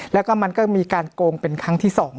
แล้วก็มันก็มีการโกงเป็นครั้งที่๒